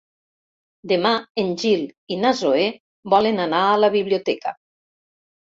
Demà en Gil i na Zoè volen anar a la biblioteca.